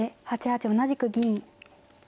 ８八同じく銀。